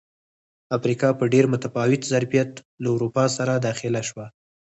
افریقا په ډېر متفاوت ظرفیت له اروپا سره داخله شوه.